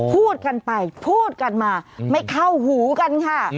พูดกันไปพูดกันมาไม่เข้าหูกันค่ะ